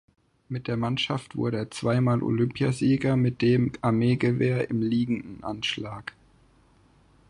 Mit der Mannschaft wurde er zweimal Olympiasieger mit dem Armeegewehr im liegenden Anschlag.